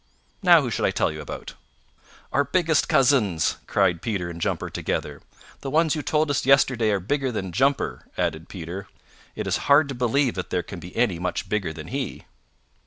Now, who shall I tell you about?" "Our biggest cousins," cried Peter and Jumper together. "The ones you told us yesterday are bigger than Jumper," added Peter. "It is hard to believe that there can be any much bigger than he."